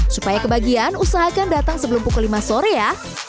supaya kebagian usahakan datang sebelum pukul lima sore ya